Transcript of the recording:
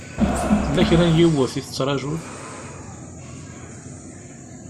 Tella kra n yiwet i tettṛajuḍ?